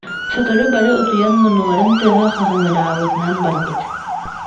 Сотору бары утуйан муннуларын тыаһа хаһыҥыраабытынан барбыт